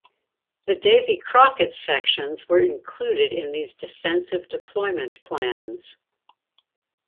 The Davy Crockett sections were included in these defensive deployment plans.